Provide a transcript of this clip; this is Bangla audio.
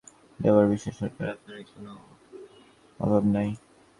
আদিবাসী শিশুদের মাতৃভাষায় শিক্ষা দেওয়ার বিষয়ে সরকারের আন্তরিকতার কোনো অভাব নেই।